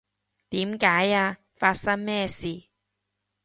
點解呀？發生咩事？